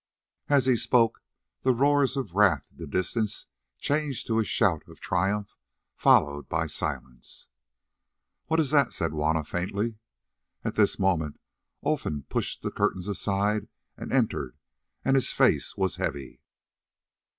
As he spoke the roars of wrath in the distance changed to a shout of triumph followed by silence. "What is that?" said Juanna faintly. At this moment Olfan pushed the curtains aside and entered, and his face was heavy.